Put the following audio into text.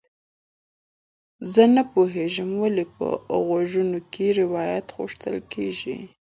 زه نه پوهیږم ولې په غوږونو کې روات غوښتل شوي وو